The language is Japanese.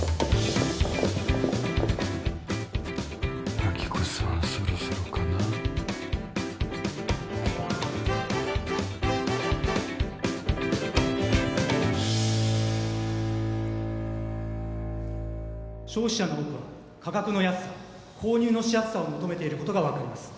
亜希子さんそろそろかな・消費者の多くは価格の安さ購入のしやすさを求めていることが分かります